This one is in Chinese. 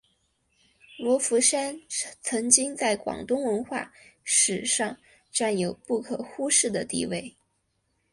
罗浮山曾经在广东文化史上占有不可忽视的地位。